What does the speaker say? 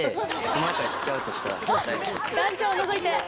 団長を除いて？